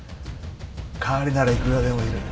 代わりならいくらでもいる。